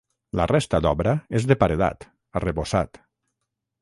La resta d'obra és de paredat, arrebossat.